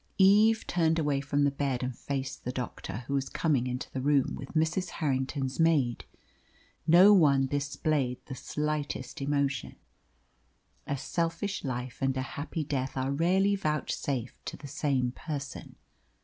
Eve turned away from the bed and faced the doctor, who was coming into the room with Mrs. Harrington's maid. No one displayed the slightest emotion. A selfish life and a happy death are rarely vouchsafed to the same person.